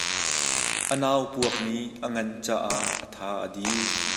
A nau puakmi a ngan caah a tha a di.